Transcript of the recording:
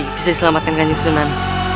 aku bisa selamatkan kanjeng sunan